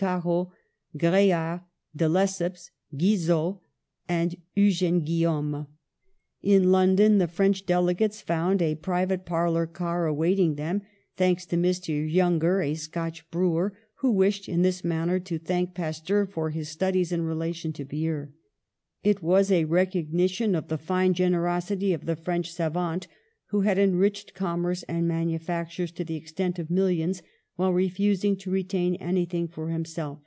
Caro, Greard, de Lesseps, Guizot and Eugene Guillaume. In London the French delegates found a private parlor car awaiting them, thanks to Mr. Younger, a Scotch brewer, who wished in this manner to thank Pasteur for his studies in relation to beer. It was a recognition of the fine generosity of the French savant, who had enriched com merce and manufactures to the extent of mil lions, while refusing to retain anything for himself.